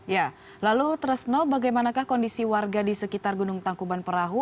ya lalu tresno bagaimanakah kondisi warga di sekitar gunung tangkuban perahu